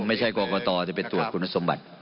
ผมไม่ใช่กรกตจะไปตรวจคุณศาสตร์สมบัติ